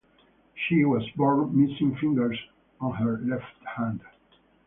She was born missing fingers on her left hand.